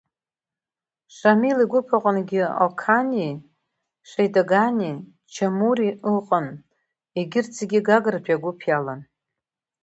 Шамил игәыԥ аҟынгьы Оқани, Шеидогани, Чамури ыҟан, агьырҭ зегьы Гагратәи агәыԥ иалан.